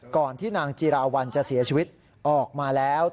ก่อนที่นางจิรวรรณจะเสียชีวิตออกมาแล้ว